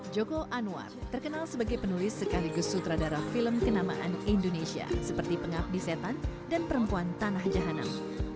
joko anwar terkenal sebagai penulis sekaligus sutradara film kenamaan indonesia seperti pengabdi setan dan perempuan tanah jahanam